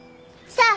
さあ